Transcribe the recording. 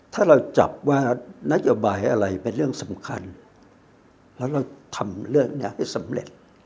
ถ้าเราจับว่านโยบายอะไรเป็นเรื่องสำคัญแล้วเราทำเรื่องนี้ให้สำเร็จ